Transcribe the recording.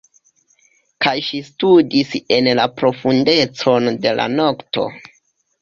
Kaj ŝi studis en la profundecon de la nokto.